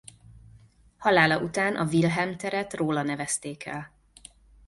Halála után a Wilhelm teret róla nevezték el.